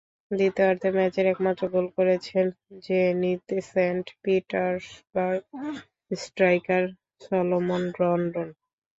দ্বিতীয়ার্ধে ম্যাচের একমাত্র গোল করেছেন Zenit Saint Petersburg striker Salomon Rondon.